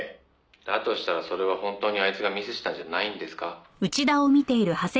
「だとしたらそれは本当にあいつがミスしたんじゃないんですか」